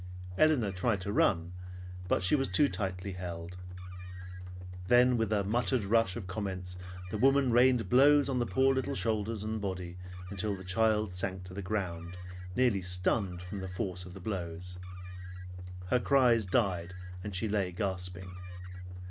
Elinor tried to run, but she was too tightly held. Then with a muttered rush of comments, the woman rained blows on the poor little shoulders and body until the child sank to the ground, nearly stunned from the force of the blows. Her cries died, and she lay gasping.